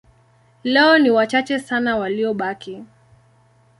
Leo ni wachache sana waliobaki.